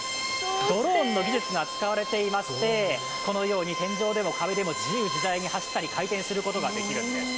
ドローンの技術が使われていますし、このように天井でも壁でも自由自在に走ったり回転したりすることができるんです。